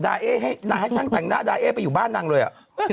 อ่ะด่าไอ้ให้ด่าให้ชั้นต่างหน้าด่าไอ้ไปอยู่บ้านนั่งเลยอ่ะ